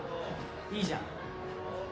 いいじゃん。